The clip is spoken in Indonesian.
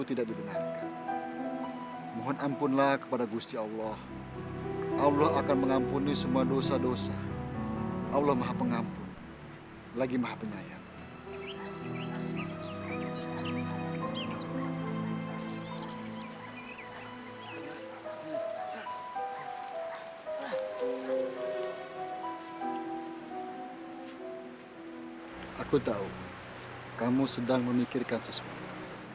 jika ingin masuk islam datanglah kapanpun untuk belajar